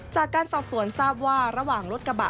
จากการสอบสวนทราบว่าระหว่างรถกระบะ